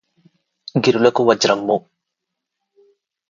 గిరులకు వజ్రమ్ము